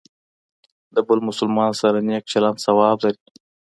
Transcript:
د بل مسلمان سره نیک چلند ثواب لري.